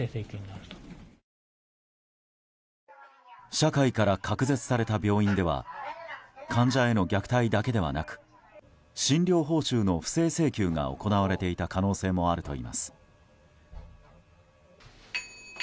社会から隔絶された病院では患者への虐待だけではなく診療報酬の不正請求が行われていた可能性もあるといいます。